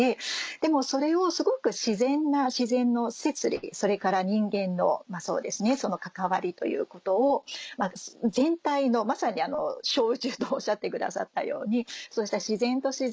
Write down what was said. でもそれをすごく自然な自然の摂理それから人間の関わりということを全体のまさに小宇宙とおっしゃってくださったようにそうした自然と自然。